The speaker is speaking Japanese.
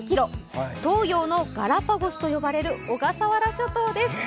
東洋のガラパゴスと呼ばれる小笠原諸島です。